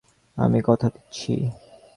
আমি কথা দিচ্ছি!